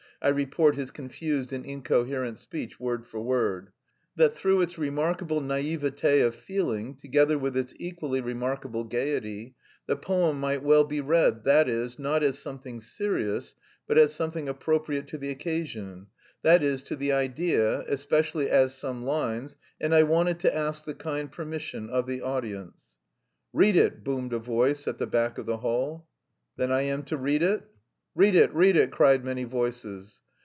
I report his confused and incoherent speech word for word) "that through its remarkable naïveté of feeling, together with its equally remarkable gaiety, the poem might well be read, that is, not as something serious, but as something appropriate to the occasion, that is to the idea... especially as some lines... And I wanted to ask the kind permission of the audience." "Read it!" boomed a voice at the back of the hall. "Then I am to read it?" "Read it, read it!" cried many voices.